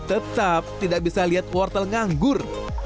tetap tidak bisa lihat wortel nganggur